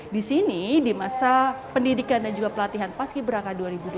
di sini di masa pendidikan dan juga pelatihan paski beraka dua ribu dua puluh